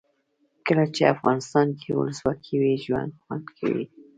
کله چې افغانستان کې ولسواکي وي ژوند خوند کوي.